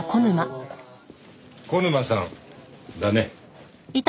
小沼さんだね？